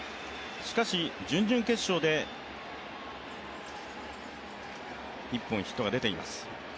しかし、準々決勝で１本ヒットが出ています。